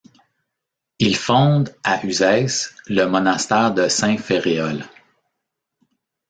Il fonde, à Uzès, le monastère de Saint-Ferréol.